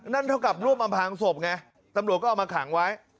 เท่ากับร่วมอำพางศพไงตำรวจก็เอามาขังไว้